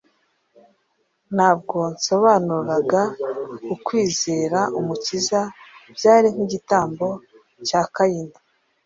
Ntabwo byasobanuraga ukwizera Umukiza, byari nk'igitambo cya Kayini.